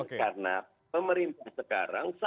karena pemerintah sekarang sangat kuat